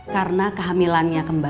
karena kehamilannya kembar